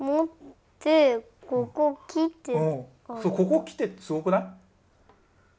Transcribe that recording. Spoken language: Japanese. ここきてってすごくない？